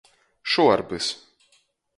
Šuorbys.